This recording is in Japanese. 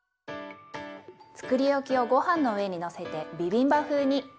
つくりおきをごはんの上にのせてビビンバ風に。